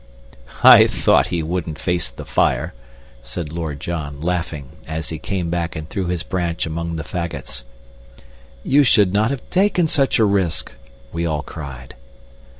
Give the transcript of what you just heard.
"I thought he wouldn't face the fire," said Lord John, laughing, as he came back and threw his branch among the faggots. "You should not have taken such a risk!" we all cried.